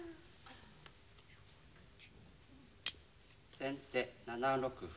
先手７六歩。